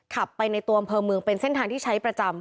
ขับไปในตัวอำเภอเมืองเป็นเส้นทางที่ใช้ประจำ